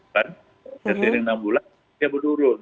jadi setelah enam bulan ya menurun